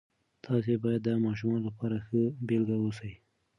تاسې باید د ماشومانو لپاره ښه بیلګه اوسئ.